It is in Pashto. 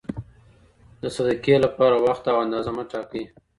د صدقې لپاره وخت او اندازه مه ټاکئ.